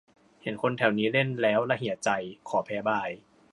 เห็นคนแถวนี้เล่น แล้วละเหี่ยใจ ขอแพ้บาย